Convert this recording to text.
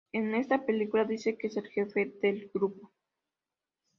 En esta película dice que es el jefe del grupo.